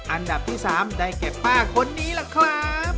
อันดับที่๓ได้แก่ป้าคนนี้ล่ะครับ